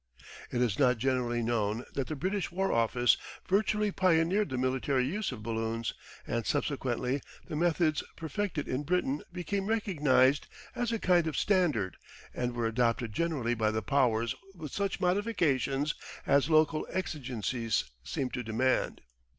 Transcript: It is not generally known that the British War office virtually pioneered the military use of balloons, and subsequently the methods perfected in Britain became recognised as a kind of "standard" and were adopted generally by the Powers with such modifications as local exigencies seemed to demand.